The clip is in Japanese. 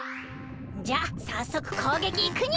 じゃあさっそくこうげきいくにゃ！